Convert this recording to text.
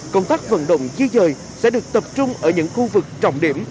công tác vận động di dời sẽ được tập trung ở những khu vực trọng điểm